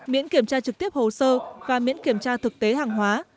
miễn kiểm tra trực tiếp hồ sơ và miễn kiểm tra thực tế hàng hóa